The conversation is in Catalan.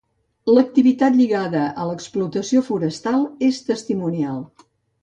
L’activitat lligada a l’explotació forestal és testimonial.